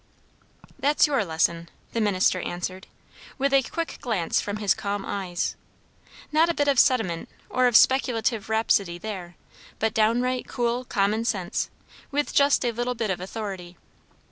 "That's your lesson," the minister answered, with a quick glance from his calm eyes. Not a bit of sentiment or of speculative rhapsody there; but downright, cool common sense, with just a little bit of authority.